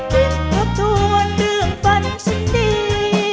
ไปทบทวนเรื่องฝันฉันดี